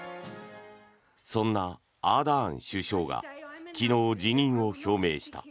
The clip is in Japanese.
そんなアーダーン首相が昨日、辞任を表明した。